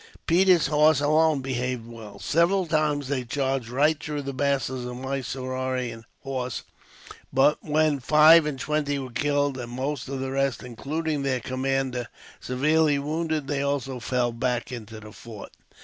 Peters' horse alone behaved well. Several times they charged right through the masses of Mysorean horse; but when five and twenty were killed, and most of the rest, including their commander, severely wounded, they also fell back into the fort.